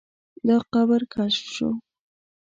دا قبر کشف شو.